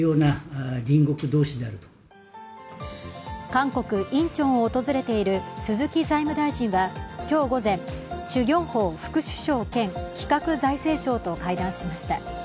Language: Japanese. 韓国・インチョンを訪れている鈴木財務大臣は今日午前、チュ・ギョンホ副首相兼企画財政相と会談しました。